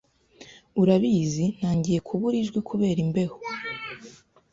Urabizi ntangiye kubura ijwi kubera imbeho